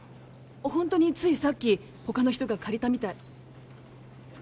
ホントについさっき他の人が借りたみたい。